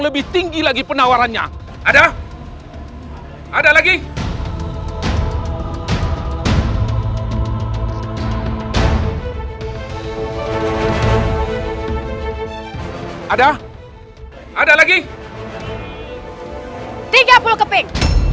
lebih tinggi lagi penawarannya ada ada lagi ada lagi tiga puluh keping